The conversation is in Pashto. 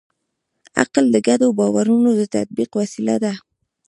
عقل د ګډو باورونو د تطبیق وسیله ده.